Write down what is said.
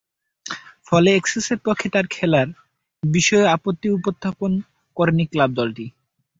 ফলে, এসেক্সের পক্ষে তার খেলার বিষয়েও আপত্তি উত্থাপন করেনি ক্লাব দলটি।